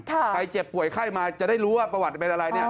ใครเจ็บป่วยไข้มาจะได้รู้ว่าประวัติเป็นอะไรเนี่ย